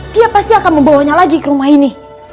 dia pasti akan membawanya lagi ke rumah ini